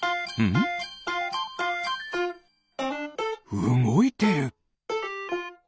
うごいてる！